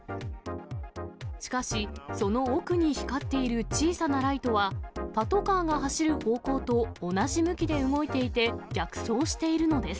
しかし、その奥に光っている小さなライトは、パトカーが走る方向と同じ向きで動いていて、逆走しているのです。